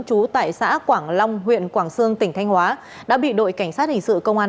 trú tại xã quảng long huyện quảng sương tỉnh thanh hóa đã bị đội cảnh sát hình sự công an